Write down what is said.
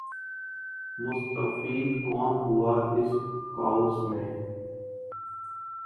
مستفید کون ہوا اس کاؤس سے ۔